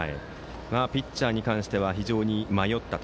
ピッチャーに関しては非常に迷ったと。